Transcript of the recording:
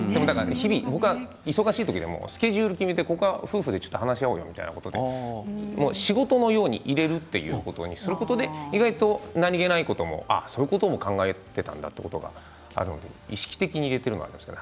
僕は忙しい時でもスケジュールを決めてここは夫婦で話し合おうよって仕事のように入れるということにすることで何気ないことでもそういうことも考えていたのかというようなことがあって意識的に入れています。